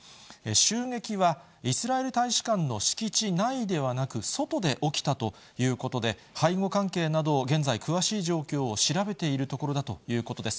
襲撃はイスラエル大使館の敷地内ではなく、外で起きたということで、背後関係などを、現在、詳しい状況を調べているところだということです。